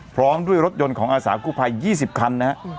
พร้อมด้วยรถยนต์ของอาสากู้ภัย๒๐คันนะฮะ